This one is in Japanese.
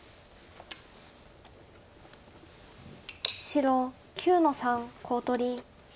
白９の三コウ取り。